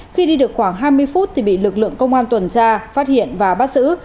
khi đi được khoảng hai mươi phút thì bị lực lượng công an tuần tra phát hiện và bắt giữ